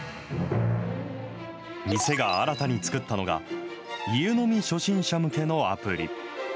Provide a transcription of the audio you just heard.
店が新たに作ったのが、家飲み初心者向けのアプリ。